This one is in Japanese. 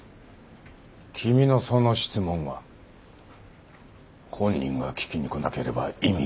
君のその質問は本人が聞きに来なければ意味がない。